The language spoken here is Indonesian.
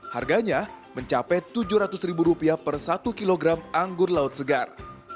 harganya mencapai rp tujuh ratus ribu rupiah per satu kg anggur laut segar